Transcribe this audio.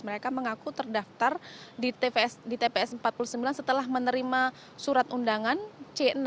mereka mengaku terdaftar di tps empat puluh sembilan setelah menerima surat undangan c enam